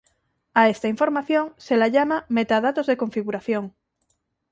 A esta información se la llama metadatos de configuración.